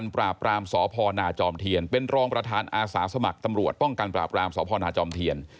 ปองประธานอาสาสมัครตำรวจป้องกันปราบรามสพนจเทียน